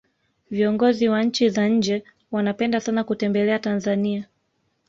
viongozi wa nchi za nje wanapenda sana kutembelea tanzania